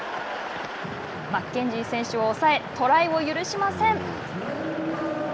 マッケンジー選手を抑えトライを許しません。